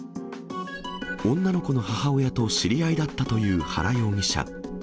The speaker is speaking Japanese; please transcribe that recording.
女の子の母親と知り合いだったという原容疑者。